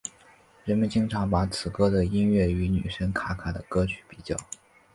人们经常把此歌的音乐与女神卡卡的歌曲比较。